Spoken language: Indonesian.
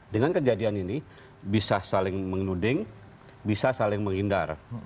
dengan kejadian ini bisa saling menuding bisa saling menghindar